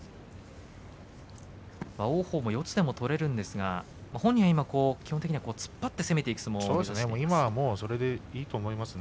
王鵬も四つでも取れるんですが本人は基本的には突っ張って攻めていく相撲ですね。